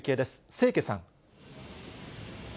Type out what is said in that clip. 清家さん。